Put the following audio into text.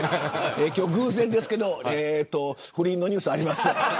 偶然ですけど今日不倫のニュースがあります。